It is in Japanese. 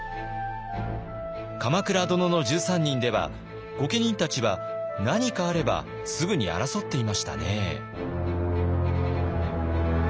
「鎌倉殿の１３人」では御家人たちは何かあればすぐに争っていましたね。